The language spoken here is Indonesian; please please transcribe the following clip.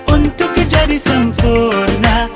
untuk kejadi sempurna